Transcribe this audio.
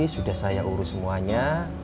sudah saya urus semuanya